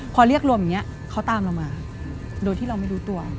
พอเรียกรวมอย่างนี้เขาตามเรามาโดยที่เราไม่รู้ตัว